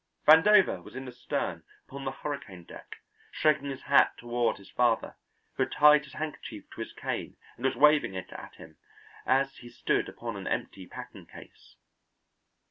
Vandover was in the stern upon the hurricane deck, shaking his hat toward his father, who had tied his handkerchief to his cane and was waving it at him as he stood upon an empty packing case.